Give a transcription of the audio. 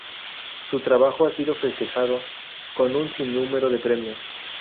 Su trabajo ha sido festejado con un sinnúmero de premios.